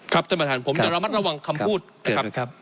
ท่านประธานผมจะระมัดระวังคำพูดนะครับ